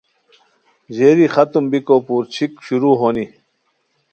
ژیری ختم بیکو پورچھیک شروع ہونی